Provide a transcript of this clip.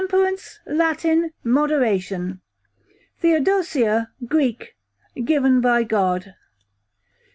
Temperance, Latin, moderation. Theodosia, Greek, given by God.